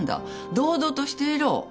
堂々としていろ。